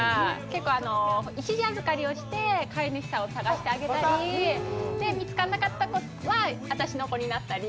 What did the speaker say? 結構、一時預かりをして買い主さんを探してあげたり、見つからなかった子は、私の子になったり。